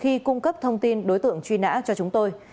khi cung cấp thông tin đối tượng truy nã cho chúng tôi